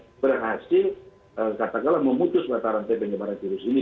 memutus bataran tpp penyebaran virus ini